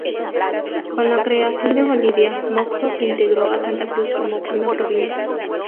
Con la creación de Bolivia, Moxos se integró a Santa Cruz como una provincia.